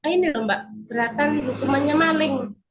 ini lho mbak beratan hukumannya maling